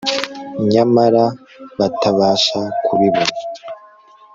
nyamara batabasha kubibona